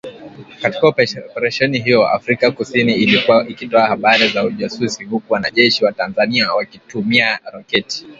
Katika Operesheni hiyo, Afrika kusini ilikuwa ikitoa habari za ujasusi huku wanajeshi wa Tanzania wakitumia roketi